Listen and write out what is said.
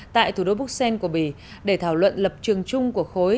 tại thủ đô búc xen của bỉ để thảo luận lập trường chung của khối